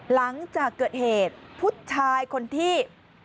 หลังจากเกิดเหตุผู้ชายคนที่